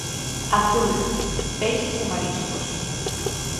Azul: peixes e mariscos.